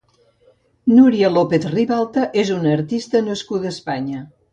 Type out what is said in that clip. Núria López-Ribalta és una artista nascuda a Espanya.